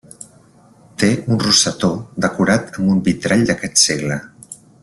Té un rosetó decorat amb un vitrall d'aquest segle.